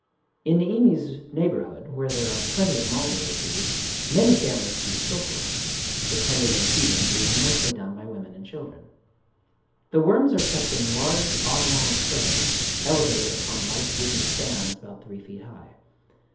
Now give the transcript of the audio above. In Niimi's neighborhood, where there are plenty of mulberrytrees, many families keep silkworms;—the tending and feeding being mostly done by women and children. The worms are kept in large oblong trays, elevated upon light wooden stands about three feet high.